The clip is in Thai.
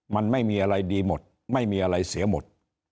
มันไม่มีอะไรดีหมดไม่มีอะไรเสียหมด